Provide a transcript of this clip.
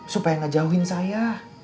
supaya gak jauhin saya